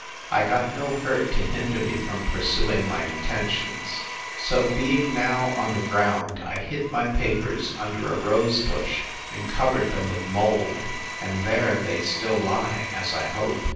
I got no hurt to hinder me from pursuing my intentions. So being now on the ground, I hid my papers under a rose bush, and covered them with mould, and there they still lie, as I hope.